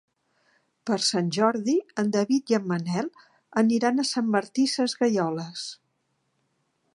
Per Sant Jordi en David i en Manel aniran a Sant Martí Sesgueioles.